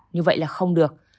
như vậy là không được